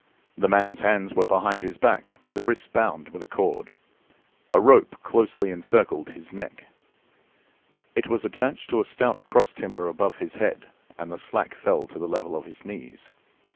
The man's hands were behind his back, the wrists bound with a cord. A rope closely encircled his neck. It was attached to a stout cross timber above his head and the slack fell to the level of his knees.